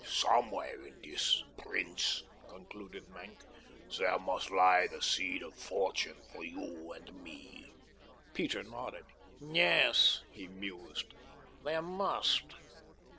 "Somewhere in this, prince," concluded Maenck, "there must lie the seed of fortune for you and me." Peter nodded. "Yes," he mused, "there must."